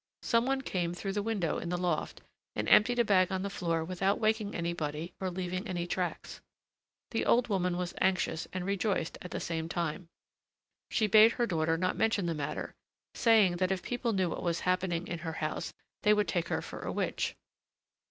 Some one came through the window in the loft, and emptied a bag on the floor without waking anybody or leaving any tracks. The old woman was anxious and rejoiced at the same time; she bade her daughter not mention the matter, saying that if people knew what was happening in her house they would take her for a witch.